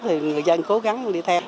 thì người dân cố gắng đi theo